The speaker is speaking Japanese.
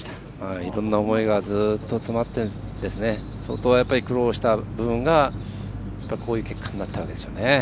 いろんな思いがずっと詰まって相当、苦労した部分がこういう結果になったわけですね。